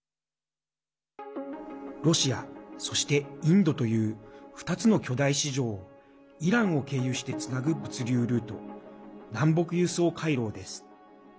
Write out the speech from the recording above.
ロシア、そして、インドという２つの巨大市場をイランを経由してつなぐ物流ルート、南北輸送回廊です。